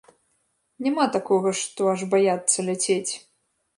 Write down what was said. Няма такога, што аж баяцца ляцець.